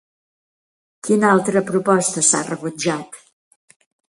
Quina altra proposta s'ha rebutjat?